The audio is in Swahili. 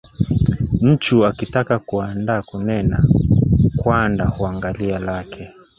Nchu akitaka kuanda kunena kwanda huangalia lake.